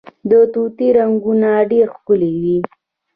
د طوطي رنګونه ډیر ښکلي وي